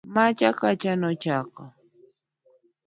macha kacha, nochako